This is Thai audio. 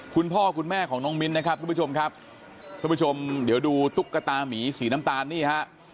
คุณพ่อคุณแม่ของน้องมิ้นท์นะครับคุณผู้ชมเดี๋ยวดูตุ๊กกะตาหมีสีน้ำตาลเนี่ย